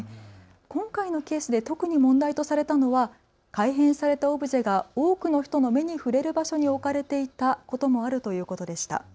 今回のケースで特に問題とされたのは改変されたオブジェが多くの人の目に触れる場所に置かれていたこともあるということでした。